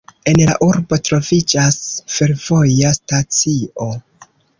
En la urbo troviĝas fervoja stacio.